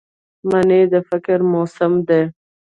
مني د فکر موسم دی